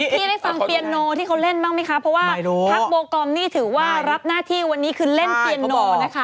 พี่ได้ฟังเปียโนที่เขาเล่นบ้างไหมคะเพราะว่าพักโบกอมนี่ถือว่ารับหน้าที่วันนี้คือเล่นเปียโนนะคะ